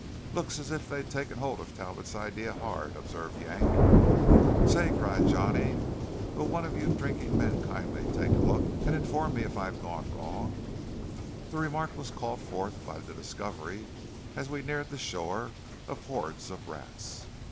"Looks as if they'd taken hold of Talbot's idea hard," observed Yank. "Say!" cried Johnny, "will one of you drinking men kindly take a look and inform me if I've gone wrong?" This remark was called forth by the discovery, as we neared the shore, of hordes of rats.